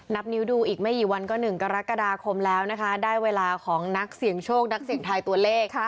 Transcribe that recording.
นับนิ้วดูอีกไม่กี่วันก็๑กรกฎาคมแล้วนะคะได้เวลาของนักเสี่ยงโชคนักเสี่ยงทายตัวเลข